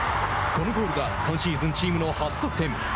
このゴールが今シーズンチームの初得点。